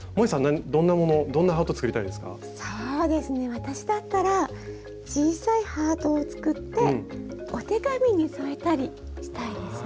私だったら小さいハートを作ってお手紙に添えたりしたいですね。